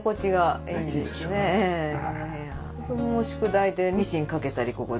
子供も宿題でミシンかけたりここで。